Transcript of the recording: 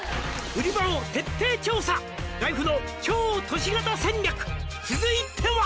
「売場を徹底調査」「ライフの超都市型戦略」「続いては」